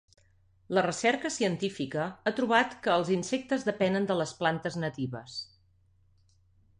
La recerca científica ha trobat que els insectes depenen de les plantes natives.